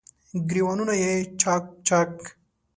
ګریوانونه یې چا ک، چا ک